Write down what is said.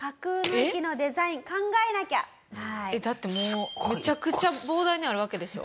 だってもうめちゃくちゃ膨大にあるわけでしょ？